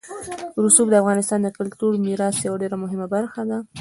رسوب د افغانستان د کلتوري میراث یوه ډېره مهمه برخه ده.